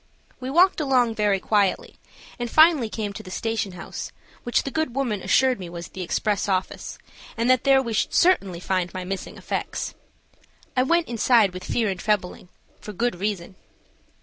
We walked along very quietly and finally came to the station house, which the good woman assured me was the express office, and that there we should certainly find my missing effects. I went inside with fear and trembling, for good reason.